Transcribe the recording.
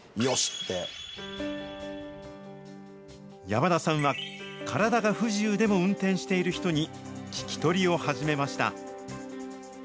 山田さんは、体が不自由でも運転している人に、聞き取りを始めました。